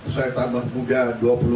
saya tambah muda dua puluh